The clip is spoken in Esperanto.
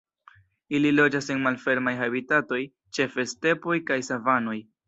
Ili loĝas en malfermaj habitatoj, ĉefe stepoj kaj savanoj.